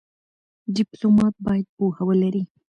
ډيپلومات باید پوهه ولري.